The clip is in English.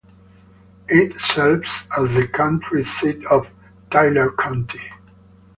It serves as the county seat of Tyler County.